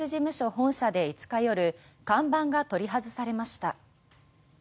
本社で５日夜看板が取り外されました。